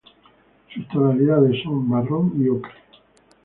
Sus tonalidades son marrón y ocre.